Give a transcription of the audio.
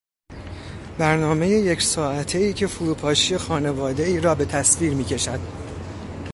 برنامهی یک ساعتهای که فروپاشی خانوادهای را به تصویر میکشد.